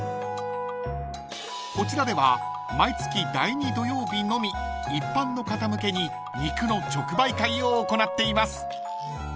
［こちらでは毎月第２土曜日のみ一般の方向けに肉の直売会を行っています］